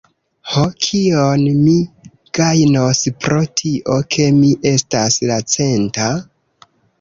"Ho, kion mi gajnos pro tio, ke mi estas la centa?"